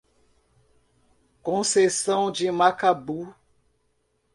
Conceição de Macabu